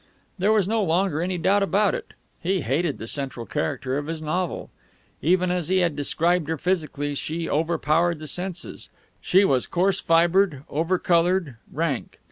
There was no longer any doubt about it; he hated the central character of his novel. Even as he had described her physically she overpowered the senses; she was coarse fibred, over coloured, rank.